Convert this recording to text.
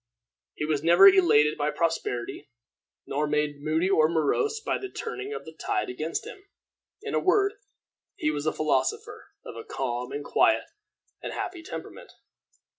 He was never elated by prosperity, nor made moody and morose by the turning of the tide against him. In a word, he was a philosopher, of a calm, and quiet, and happy temperament.